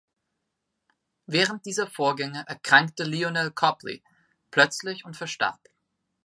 Während dieser Vorgänge erkrankte Lionel Copley plötzlich und verstarb.